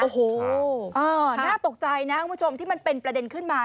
โอ้โหน่าตกใจนะคุณผู้ชมที่มันเป็นประเด็นขึ้นมา